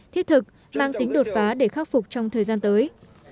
thiết thực mang tính đột phá để khắc phục trong thời gian tới